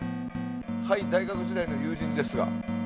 はい、大学時代の友人ですが。